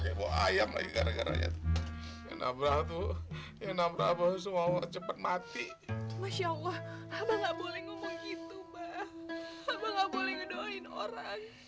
orang lebih baik sekarang apa apa berdoa buat kesembuhan apa ya baca al fatiha